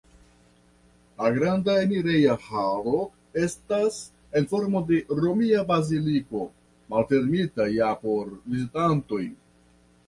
La granda enireja halo estas en formo de romia baziliko, malfermita ja por vizitantoj.